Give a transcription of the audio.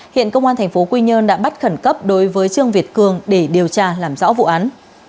hiện công an tp quy nhơn đã bắt khẩn cấp đối với trương việt cường để điều tra làm rõ vụ án